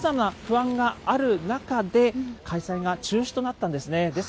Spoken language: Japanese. さまざまな不安がある中で、開催が中止となったんですね。